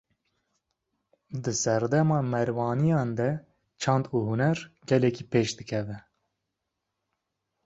Di serdema Merwaniyan de çand û huner, gelek bi pêş dikeve